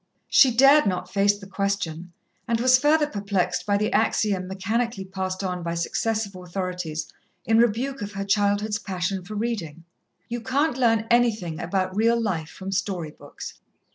She dared not face the question, and was further perplexed by the axiom mechanically passed on by successive authorities in rebuke of her childhood's passion for reading: "You can't learn anything about Real Life from story books."